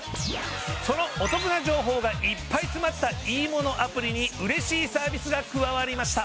そのお得な情報がいっぱい詰まったいいものアプリにうれしいサービスが加わりました。